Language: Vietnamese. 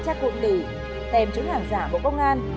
chắc hụt tử tem chống giả bộ công an